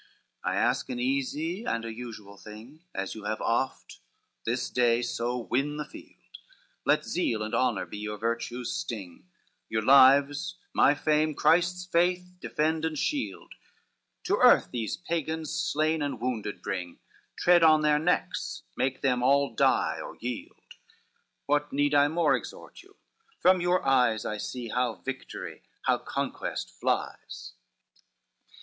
XIX "I ask an easy and a usual thing, As you have oft, this day, so win the field, Let zeal and honor be your virtue's sting, Your lives, my fame, Christ's faith defend and shield, To earth these Pagans slain and wounded bring, Tread on their necks, make them all die or yield,— What need I more exhort you? from your eyes I see how victory, how conquest flies."